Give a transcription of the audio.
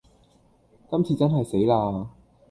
今次真係死啦